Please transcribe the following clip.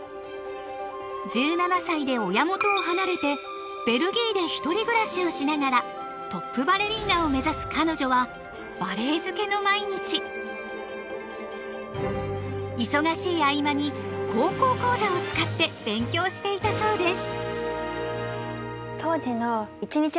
１７歳で親元を離れてベルギーで一人暮らしをしながらトップバレリーナを目指す彼女は忙しい合間に「高校講座」を使って勉強していたそうです。